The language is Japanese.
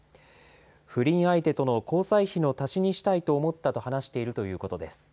不倫相手との交際費の足しにしたいと思ったと話しているということです。